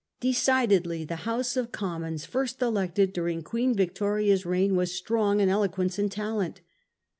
Decidedly the House of Commons first elected during Queen Victoria's reign was strong in eloquence and talent.